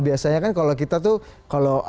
biasanya kalau kita tuh